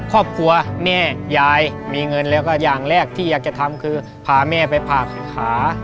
ครอบครัวแม่ยายมีเงินแล้วก็อย่างแรกที่อยากจะทำคือพาแม่ไปผ่าขา